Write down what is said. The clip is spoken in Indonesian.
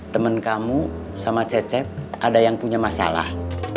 temen kamu sama cecep ada yang punya masalah